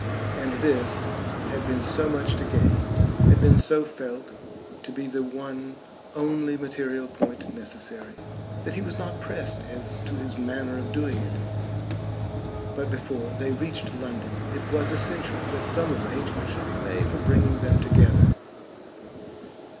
And this had been so much to gain, had been so felt to be the one only material point necessary, that he was not pressed as to his manner of doing it. But before they reached London it was essential that some arrangement should be made for bringing them together.